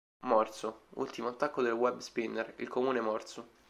Morso: Ultimo attacco del Web Spinner, il comune morso.